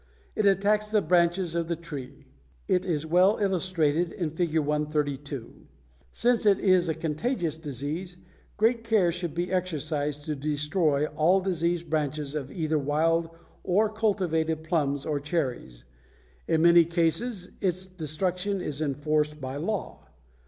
It attacks the branches of the tree; it is well illustrated in Fig. 132. Since it is a contagious disease, great care should be exercised to destroy all diseased branches of either wild or cultivated plums or cherries. In many states its destruction is enforced by law.